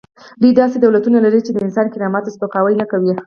دوی داسې دولتونه لري چې د انسان کرامت ته سپکاوی نه کوي.